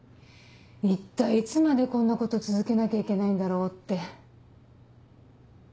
一体いつまでこんなこと続けなきゃいけないんだろうって。